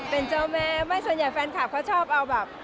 เป็นเจ้าแม่ไม่ส่วนใหญ่แฟนคลับเขาชอบเอาแบบ